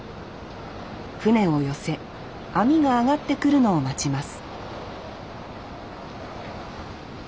船を寄せ網が揚がってくるのを待ちます